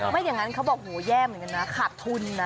ไม่อย่างนั้นเขาบอกโหแย่เหมือนกันนะขาดทุนนะ